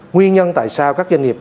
nguyên nhân tại sao các doanh nghiệp